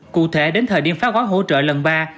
cụ thể đến thời điểm phát gói hỗ trợ lần ba